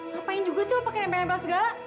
ngapain juga sih lu pake nempel nempel segala